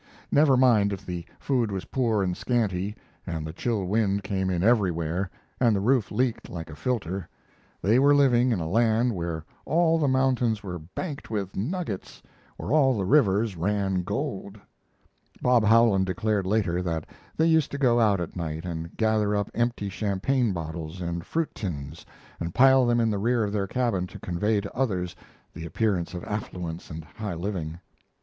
Never mind if the food was poor and scanty, and the chill wind came in everywhere, and the roof leaked like a filter; they were living in a land where all the mountains were banked with nuggets, where all the rivers ran gold. Bob Howland declared later that they used to go out at night and gather up empty champagne bottles and fruit tins and pile them in the rear of their cabin to convey to others the appearance of affluence and high living.